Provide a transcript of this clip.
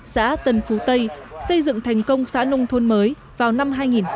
xã tân phú tây xây dựng thành công xã nông thôn mới vào năm hai nghìn một mươi sáu